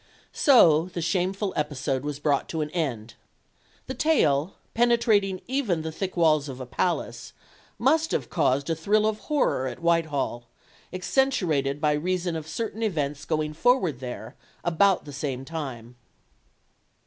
So the shameful episode was brought to an end. The tale, penetrating even the thick walls of a palace, must have caused a thrill of horror at Whitehall, accentuated by reason of certain events going forward there about the same time.